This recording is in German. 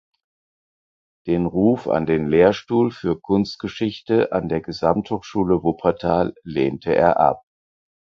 Den Ruf an den Lehrstuhl für Kunstgeschichte an der Gesamthochschule Wuppertal lehnte er ab.